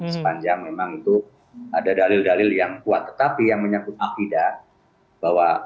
sepanjang memang itu ada dalil dalil yang kuat tetapi yang menyangkut akidah bahwa